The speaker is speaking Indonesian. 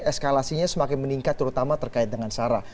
eskalasinya semakin meningkat terutama terkait dengan sarah